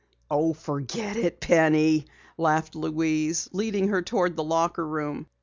"Oh, forget it, Penny," laughed Louise, leading her toward the locker room.